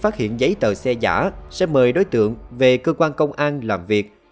phát hiện giấy tờ xe giả sẽ mời đối tượng về cơ quan công an làm việc